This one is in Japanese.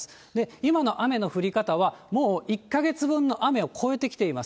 今の雨の降り方はもう、１か月分の雨を超えてきています。